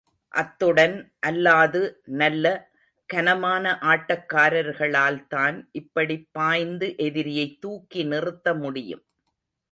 அத்துடன் அல்லாது, நல்ல கனமான ஆட்டக் காரர்களால்தான் இப்படிப் பாய்ந்து எதிரியை தூக்கி நிறுத்த முடியும்.